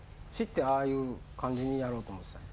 ああいう感じにやろうと思ってたんや？